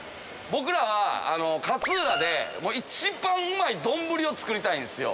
僕らは勝浦で一番うまい丼を作りたいんですよ。